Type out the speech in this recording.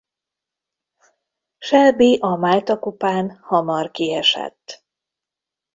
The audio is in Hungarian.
Selby a Málta kupán hamar kiesett.